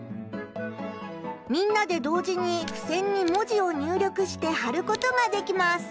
みんなで同時にふせんに文字を入力してはることができます。